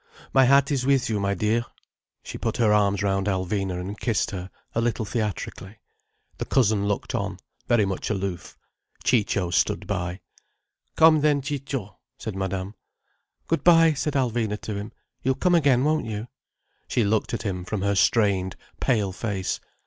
My heart is with you, my dear." She put her arms round Alvina and kissed her, a little theatrically. The cousin looked on, very much aloof. Ciccio stood by. "Come then, Ciccio," said Madame. "Good bye," said Alvina to him. "You'll come again, won't you?" She looked at him from her strained, pale face.